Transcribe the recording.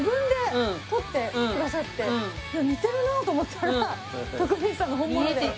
しかも似てるなと思ったら徳光さんの本物で。